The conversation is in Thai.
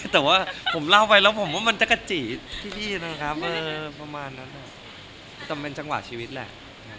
แต่ว่าผมเล่าไปแล้วผมว่ามันจะกระจิที่นี่นะครับประมาณนั้นแต่เป็นจังหวะชีวิตแหละ